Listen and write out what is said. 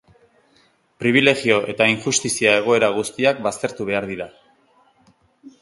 Pribilegio eta injustizia egoera guztiak baztertu behar dira.